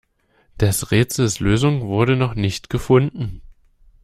Des Rätsels Lösung wurde noch nicht gefunden.